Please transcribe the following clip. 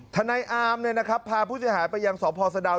นายอามพาผู้เสียหายไปยังสพสะดาว